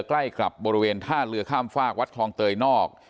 ใกล้กับบริเวณท่าเรือข้ามฝากวัดคลองเตยนอก